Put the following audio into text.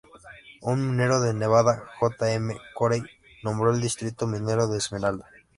Un minero de Nevada, J. M. Corey, nombró el Distrito Minero de Esmeralda.